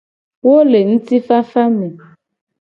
Wo le ngtifafa me.